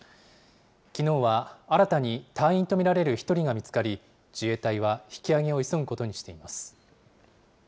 きのうは新たに隊員と見られる１人が見つかり、自衛隊は引きあげを急ぐことにしています。